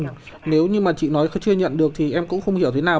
nếu như mà chị nói chưa nhận được thì em cũng không hiểu thế nào